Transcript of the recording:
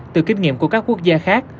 theo các nghiệp của các quốc gia khác